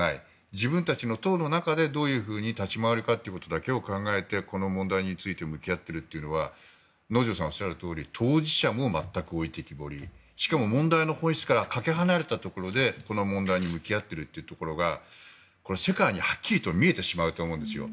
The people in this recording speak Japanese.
自分たちの党の中でどういうふうに立ち回るかだけを考えてこの問題について向き合っているというのは能條さんがおっしゃるとおり当事者も全く置いてきぼりしかも問題の本質からかけ離れたところでこの問題に向き合っているというところが世界にはっきり見えてしまうと思うんですよ。